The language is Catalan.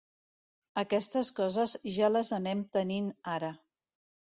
Aquestes coses ja les anem tenint ara.